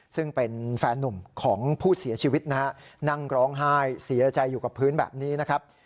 ซึ่งเป็นแฟนนุ่มของผู้เสียชีวิตนะฮะนั่งร้องไห้เสียใจอยู่กับพื้นแบบนี้นะครับ